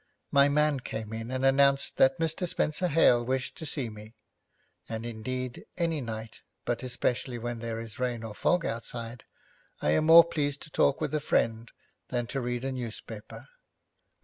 My man came in, and announced that Mr. Spenser Hale wished to see me, and, indeed, any night, but especially when there is rain or fog outside, I am more pleased to talk with a friend than to read a newspaper.